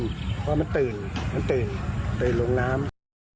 เพราะมันตื่นมันตื่นตื่นลงน้ำ